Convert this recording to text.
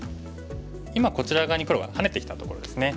今こちら側に黒がハネてきたところですね。